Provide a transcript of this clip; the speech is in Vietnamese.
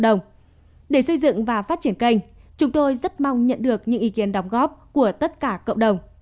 để xây dựng và phát triển kênh chúng tôi rất mong nhận được những ý kiến đóng góp của tất cả cộng đồng